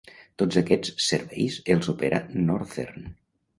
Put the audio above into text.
Tots aquests serveis els opera Northern.